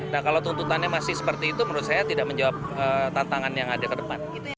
nah kalau tuntutannya masih seperti itu menurut saya tidak menjawab tantangan yang ada ke depan